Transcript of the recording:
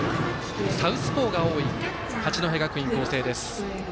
サウスポーが多い、八戸学院光星。